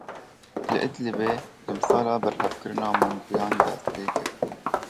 Li Idlibê demsala berhevkirina mangoyan dest pê kir.